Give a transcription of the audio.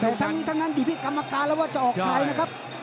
แต่ทั้งนี้ทั้งนั้นได้ที่กรรมการแล้วว่าจะออก